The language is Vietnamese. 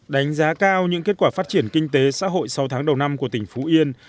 đánh giá cao những kết quả phát triển kinh tế xã hội sáu tháng đầu năm của tỉnh phú yên